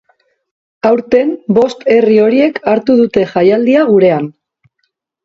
Aurten bost herri horiek hartu dute jaialdia gurean.